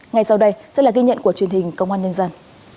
ngay sau đây sẽ là ghi nhận của truyền hình công an nhân dân